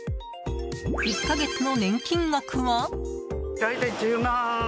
１か月の年金額は？